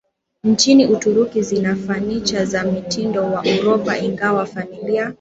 nchini Uturuki zina fanicha za mtindo wa Uropa ingawa familia